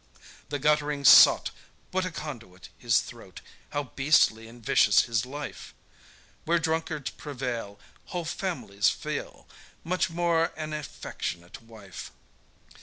The guttling sot, What a conduit his throat! How beastly and vicious his life! Where drunkards prevail, Whole families feel, Much more an affectionate wife.